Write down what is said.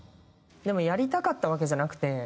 でもやりたかったわけじゃなくて。